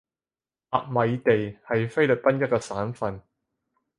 甲米地係菲律賓一個省份